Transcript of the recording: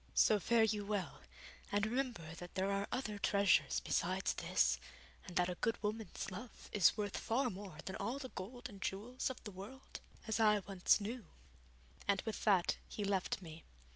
So fare you well, and remember that there are other treasures besides this, and that a good woman's love is worth far more than all the gold and jewels of the world as I once knew.' And with that he left me.